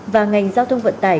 và ngành giao thông vận tải